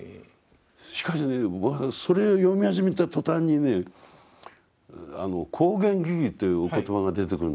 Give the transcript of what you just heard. しかしねそれを読み始めた途端にね「光顔巍々」というお言葉が出てくるんですよ。